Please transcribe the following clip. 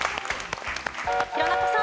弘中さん。